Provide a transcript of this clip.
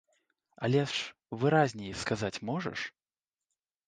Але ж выразней сказаць можаш?